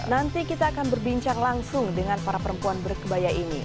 nanti kita akan berbincang langsung dengan para perempuan berkebaya ini